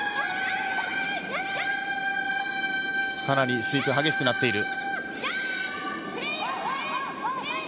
かなりスイープが激しくなっている。